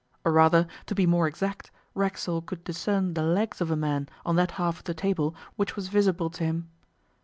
Or, rather, to be more exact, Racksole could discern the legs of a man on that half of the table which was visible to him.